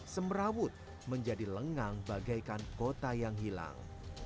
semerawut menjadi lengang bagaikan kota yang hilang